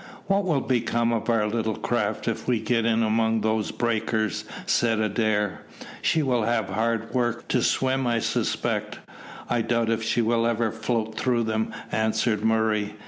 "What will become of our little craft if we get in among those breakers?" said Adair. "She will have hard work to swim, I suspect." "I doubt if she will ever float through them," answered Murray.